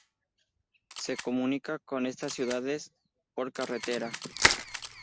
Se comunica con estas ciudades por carretera.